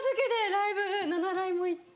ライブナナライも行って。